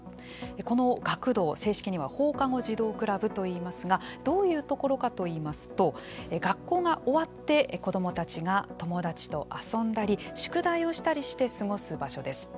この学童、正式には放課後児童クラブといいますがどういうところかといいますと学校が終わって、子どもたちが友達と遊んだり宿題をしたりして過ごす場所です。